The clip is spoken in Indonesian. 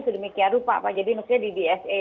sedemikian rupa pak jadi maksudnya di d s e